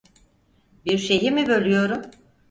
Bir şeyi mi bölüyorum?